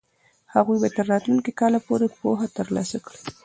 هغوی به تر راتلونکي کاله پورې پوهه ترلاسه کړي.